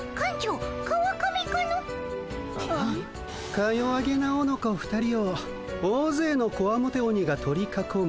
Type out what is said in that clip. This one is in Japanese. かよわげなおのこ２人を大ぜいのこわもて鬼が取りかこむ